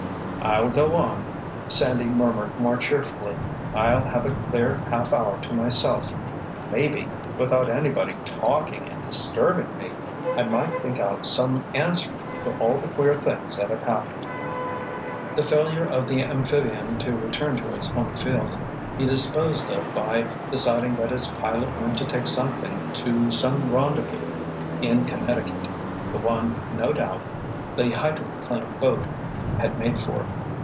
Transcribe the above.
"I'll go on!" Sandy murmured more cheerfully. "I'll have a clear half hour to myself. Maybe—without anybody talking and disturbing me—I might think out some answer to all the queer things that have happened." The failure of the amphibian to return to its home field he disposed of by deciding that its pilot meant to take something to some rendezvous in Connecticut, the one, no doubt, the hydroplane boat had made for.